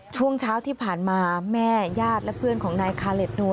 ช่วงเช้าที่ผ่านมาแม่ญาติและเพื่อนของนายคาเล็ดนัว